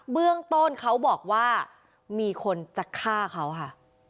เบื้องต้นเขาบอกว่ามีคนจะฆ่าเขาค่ะ